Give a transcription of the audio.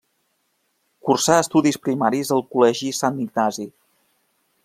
Cursà estudis primaris al col·legi Sant Ignasi.